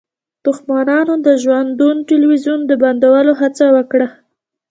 دښمنانو د ژوندون تلویزیون د بندولو هڅه وکړه